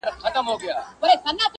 کله دي زړه ته دا هم تیریږي؟ -